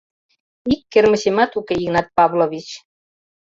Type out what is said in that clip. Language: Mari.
— Ик кермычемат уке, Игнат Павлович.